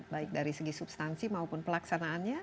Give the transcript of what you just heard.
baik dari segi substansi maupun pelaksanaannya